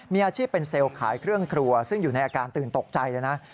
มีอาชีพเป็นเซลล์ขายเครื่องครัวซึ่งอยู่ในอาการตื่นตกใจเลยนะ